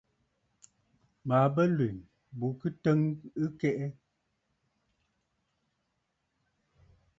Màa bə nlwèn bǔ kɨ təŋ ɨkɛʼɛ?